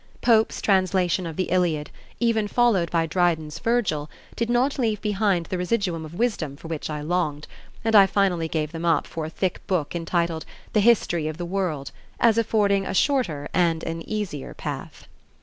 Pope's translation of the "Iliad," even followed by Dryden's "Virgil," did not leave behind the residuum of wisdom for which I longed, and I finally gave them up for a thick book entitled "The History of the World" as affording a shorter and an easier path.